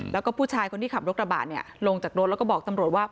แล้วก็ผู้ชายคนที่ขับรถกระบะเนี่ยลงจากรถแล้วก็บอกตำรวจว่า